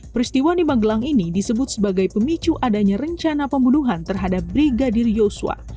peristiwa di magelang ini disebut sebagai pemicu adanya rencana pembunuhan terhadap brigadir yosua